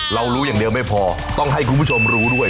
เรารู้อย่างเดียวไม่พอต้องให้คุณผู้ชมรู้ด้วย